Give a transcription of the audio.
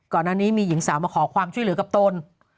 ก่อนหน้านี้มีหญิงสาวมาขอความช่วยเหลือกับตน